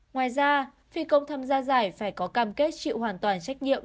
ngoài ra phi công tham gia giải phải có cam kết chịu hoàn toàn trách nhiệm